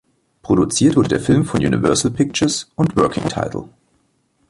Produziert wurde der Film von Universal Pictures und Working Title.